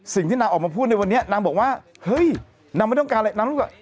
สิ่งที่นางออกมาพูดในวันนี้นางบอกว่าเฮ้ยนางไม่ต้องการอะไรนางรู้สึก